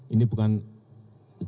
ini bukan endemik